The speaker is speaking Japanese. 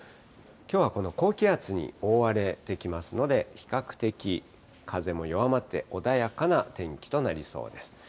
きょうはこの高気圧に覆われてきますので、比較的風も弱まって、穏やかな天気となりそうです。